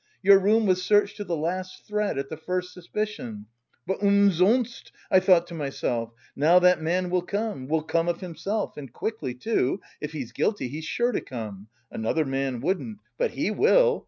Your room was searched to the last thread at the first suspicion; but umsonst! I thought to myself, now that man will come, will come of himself and quickly, too; if he's guilty, he's sure to come. Another man wouldn't, but he will.